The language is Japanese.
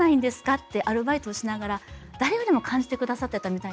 ってアルバイトをしながら誰よりも感じてくださってたみたいなんですね。